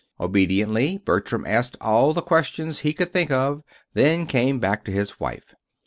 Obediently Bertram asked all the question she could think of, then came back to his wife.